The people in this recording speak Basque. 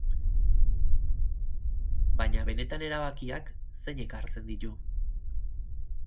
Baina benetan erabakiak zeinek hartzen ditu?